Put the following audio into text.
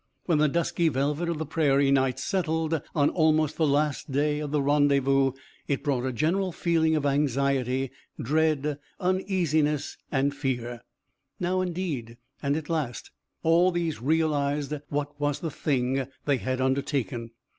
When the dusky velvet of the prairie night settled on almost the last day of the rendezvous it brought a general feeling of anxiety, dread, uneasiness, fear. Now, indeed, and at last, all these realized what was the thing that they had undertaken.